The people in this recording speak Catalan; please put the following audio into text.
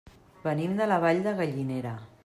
Venim de la Vall de Gallinera.